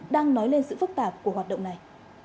đang nói lên sự phức tạp của hoạt động này